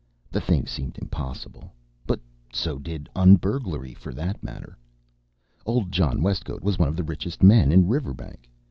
The thing seemed impossible, but so did un burglary, for that matter. Old John Westcote was one of the richest men in Riverbank.